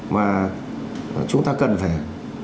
mà chúng ta cần phải